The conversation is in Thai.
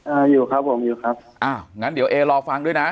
อ่าอยู่ครับผมอยู่ครับอ้าวงั้นเดี๋ยวเอรอฟังด้วยนะ